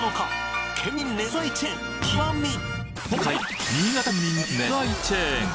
今回は新潟県民の熱愛チェーン！